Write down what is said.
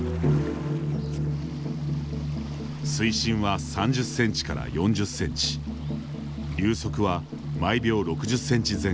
水深は３０センチから４０センチ流速は毎秒６０センチ前後。